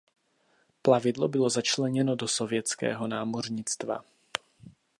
Plavidlo bylo začleněno do sovětského námořnictva.